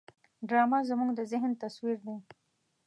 ډرامه زموږ د ذهن تصویر دی